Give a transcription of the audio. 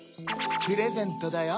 プレゼントだよ。